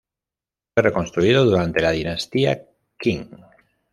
Fue reconstruido durante la dinastía Qing.